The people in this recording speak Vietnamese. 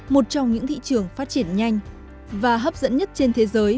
một trong những thị trường phát triển nhanh và hấp dẫn nhất trên thế giới